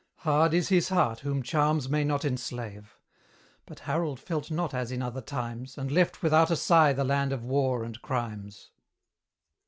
Hard is his heart whom charms may not enslave; But Harold felt not as in other times, And left without a sigh the land of war and crimes.